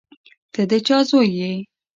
ته د چا زوی یې؟